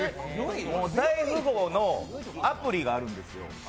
「大富豪」のアプリがあるんですよ。